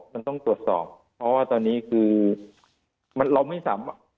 เพราะว่าตอนนี้คือเราไม่สามารถ